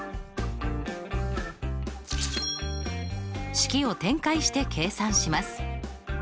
式を展開して計算します。